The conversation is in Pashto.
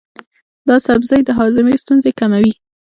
دا سبزی د هاضمې ستونزې کموي.